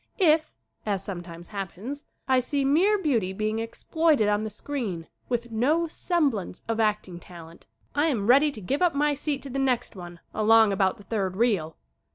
If, as sometimes happens, I see mere beauty being exploited on the screen with no sem blance of acting talent, I am ready to give up my seat to the next one along about the third reel.